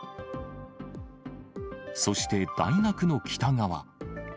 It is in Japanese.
そして大学の北側。